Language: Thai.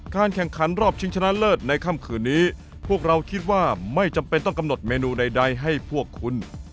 แข่งขันรอบชิงชนะเลิศในค่ำคืนนี้พวกเราคิดว่าไม่จำเป็นต้องกำหนดเมนูใดให้พวกคุณ